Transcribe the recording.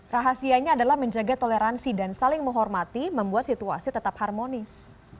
rahasianya adalah menjaga toleransi dan saling menghormati membuat situasi tetap harmonis